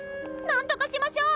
何とかしましょう！